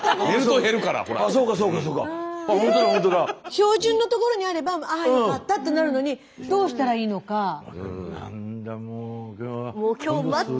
標準のところにあれば「ああよかった」ってなるのになんだもうじゃあ。